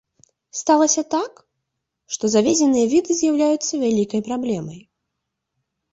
Сталася так, што завезеныя віды з'яўляюцца вялікай праблемай.